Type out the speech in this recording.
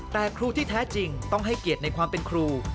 แต่ครูที่แท้จริงต้องให้เกียรติในความเป็นครู